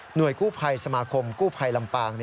กู้ภัยสมาคมกู้ภัยลำปาง